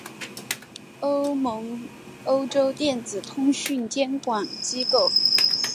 欧盟欧洲电子通讯监管机构总部以及北大西洋公约组织的战略通讯中心设在里加。